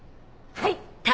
はい！